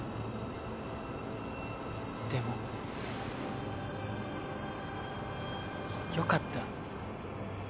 でもよかった。